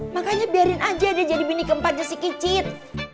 makanya biarin aja dia jadi bini keempatnya si kicit